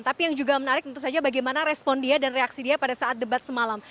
tapi yang juga menarik tentu saja bagaimana respon dia dan reaksi dia pada saat debat semalam